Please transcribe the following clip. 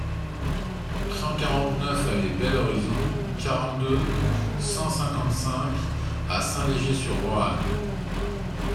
cent quarante-neuf allée Bel Horizon, quarante-deux, cent cinquante-cinq à Saint-Léger-sur-Roanne